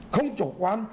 không chủ quán